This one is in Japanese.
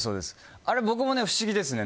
あれ僕も不思議ですね。